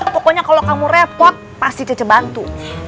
pokoknya kalau kamu repot pasti cocok bantu